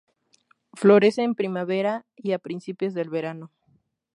Florece en primavera y a principios del verano.